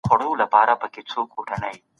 ځینې ماشومان لنډمهاله ستونزې لرلې.